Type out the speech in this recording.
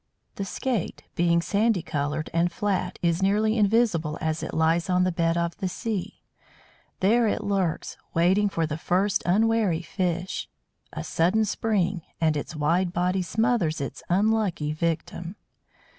The Skate, being sandy coloured and flat, is nearly invisible as it lies on the bed of the sea. There it lurks, waiting for the first unwary fish. A sudden spring, and its wide body smothers its unlucky victim.